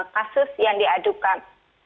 enam ratus lima puluh sembilan kasus yang diadukan